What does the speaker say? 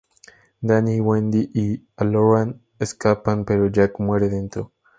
Danny, Wendy y Halloran escapan, pero Jack muere dentro.